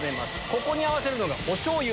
ここに合わせるのがお醤油。